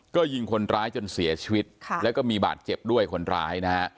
ก็ยิงคนร้ายจนเสียชีวิตค่ะแล้วก็มีบาดเจ็บด้วยคนร้ายนะฮะ